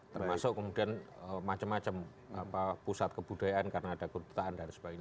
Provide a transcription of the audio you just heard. termasuk kemudian macam macam pusat kebudayaan karena ada kedutaan dan sebagainya